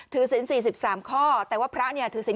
ที่สิ้น๔๓ข้อแต่ว่าพระถือสิ้น